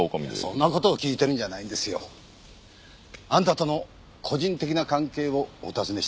そんな事を聞いてるんじゃないんですよ。あんたとの個人的な関係をお尋ねしています。